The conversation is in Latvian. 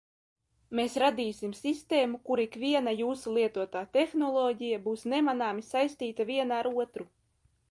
Mēs radīsim sistēmu, kur ikviena jūsu lietotā tehnoloģija būs nemanāmi saistīta viena ar otru.